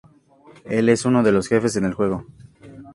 Él es uno de los jefes en el juego.